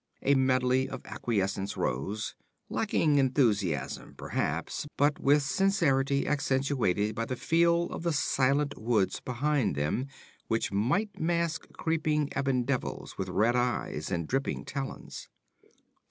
A medley of acquiescence rose, lacking enthusiasm perhaps, but with sincerity accentuated by the feel of the silent woods behind them which might mask creeping ebony devils with red eyes and dripping talons.